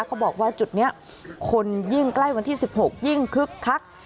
เขาบอกว่าจุดนี้คนยิ่งใกล้วันที่๑๖ยิ่งคึกคัก